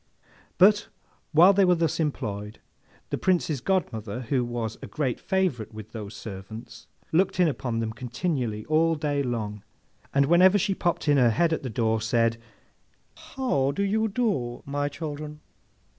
But, while they were thus employed, the Prince's godmother, who was a great favourite with those servants, looked in upon them continually all day long, and whenever she popped in her head at the door said, How do you do, my children?